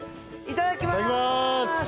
いただきます！